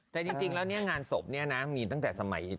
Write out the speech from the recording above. แต่จริงแล้วงานศพนี่มีตั้งแต่สมัย